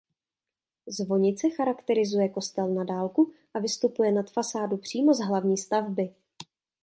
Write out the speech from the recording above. Zvonice charakterizuje kostel na dálku a vystupuje nad fasádu přímo z hlavní stavby.